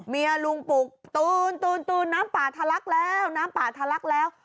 เมียลุงปลุกตูนน้ำป่าทะลักแล้ว